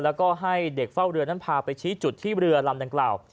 แล้วก็ให้เด็กเฝ้าเรือนั้นพาไปชี้จุดที่เรือลำดังกล่าว